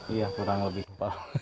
iya kurang lebih